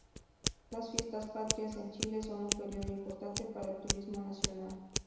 Las Fiestas Patrias en Chile son un periodo importante para el turismo nacional.